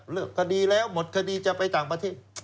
คดีแล้วหมดคดีจะไปต่างประเทศ